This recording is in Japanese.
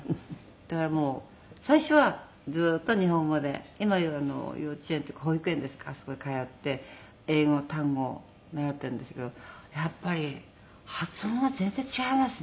だからもう最初はずっと日本語で今言う幼稚園っていうか保育園ですかあそこへ通って英語の単語を習っているんですけどやっぱり発音が全然違いますね。